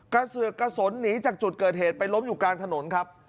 เสือกกระสนหนีจากจุดเกิดเหตุไปล้มอยู่กลางถนนครับ